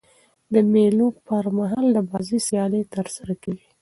د مېلو پر مهال د بازۍ سیالۍ ترسره کیږي.